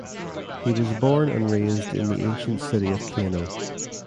He was born and raised in the ancient city of Kano.